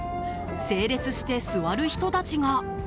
整列して座る人たちが！